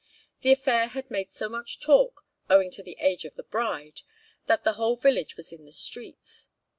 The affair had made so much talk, owing to the age of the bride, that the whole village was in the streets.